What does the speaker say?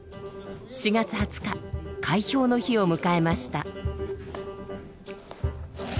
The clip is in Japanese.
４月２０日開票の日を迎えました。